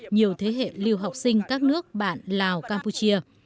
nhiều thế hệ lưu học sinh các nước bạn lào campuchia